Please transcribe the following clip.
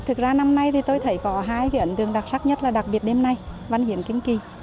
thực ra năm nay thì tôi thấy có hai cái ấn tượng đặc sắc nhất là đặc biệt đêm nay văn hiến kinh kỳ